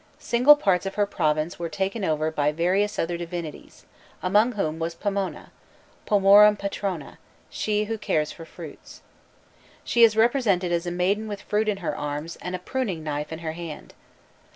Single parts of her province were taken over by various other divinities, among whom was Pomona (pomorum patrona, "she who cares for fruits"). She is represented as a maiden with fruit in her arms and a pruning knife in her hand.